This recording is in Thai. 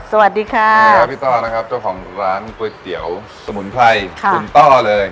สวัสดีครับพี่ต้อนะครับเจ้าของร้านกุ้ยเตี๋ยวสมุนพลายขุนตอเลย